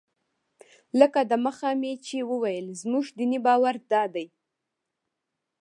لکه دمخه مې چې وویل زموږ دیني باور دادی.